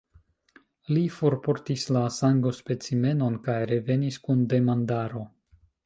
Li forportis la sangospecimenon, kaj revenis kun demandaro.